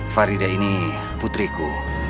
farida ini putriku